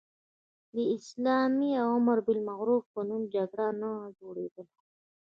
د اسلام او امر بالمعروف په نوم جګړه نه جوړېدله.